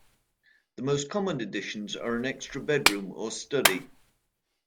The most common additions are an extra bedroom or study.